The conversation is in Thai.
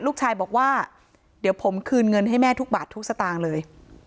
ลูกชายบอกว่าเดี๋ยวผมคืนเงินให้แม่ทุกบาททุกสตางค์เลย